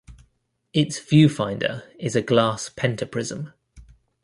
Its viewfinder is a glass pentaprism.